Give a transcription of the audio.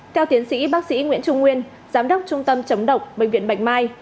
theo tiến sĩ bác sĩ nguyễn trung nguyên giám đốc trung tâm chống độc bệnh viện bạch mai